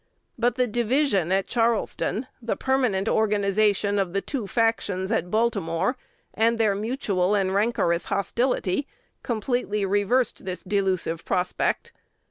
But the division at Charleston, the permanent organization of the two factions at Baltimore, and their mutual and rancorous hostility, completely reversed the delusive prospect.